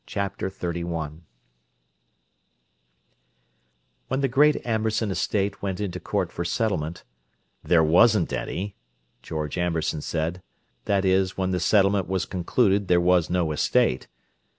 Chapter XXXI When the great Amberson Estate went into court for settlement, "there wasn't any," George Amberson said—that is, when the settlement was concluded there was no estate.